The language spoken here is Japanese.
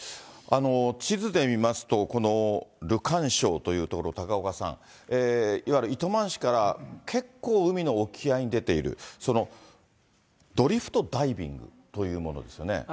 地図で見ますと、このるかんしょうという所、高岡さん、いわゆる糸満市から結構海の沖合に出ている、そのドリフトダイビングというものですよね。